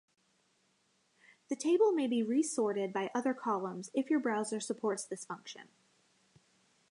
The table may be resorted by other columns if your browser supports this function.